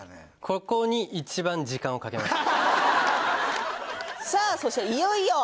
ここに一番時間をかけましたね。